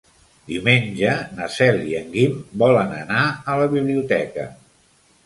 Diumenge na Cel i en Guim volen anar a la biblioteca.